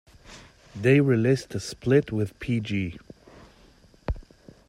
They released a split with Pg.